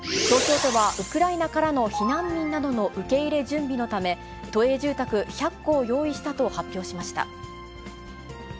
東京都は、ウクライナからの避難民などの受け入れ準備のため、都営住宅１００戸を用意したと発表しました。